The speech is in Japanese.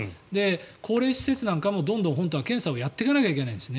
高齢施設なんかもどんどん本当は検査をやっていかないといけないんですね。